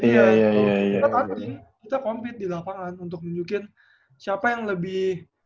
jadi ya kita compete di lapangan untuk nunjukin siapa yang lebih